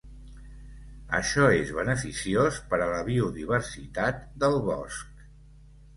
Això és beneficiós per a la biodiversitat del bosc.